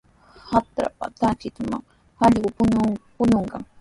Hatrapa trakintrawmi allqu puñuykan.